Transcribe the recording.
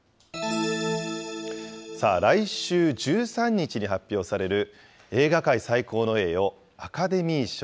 来週１３日に発表される映画界最高の栄誉、アカデミー賞。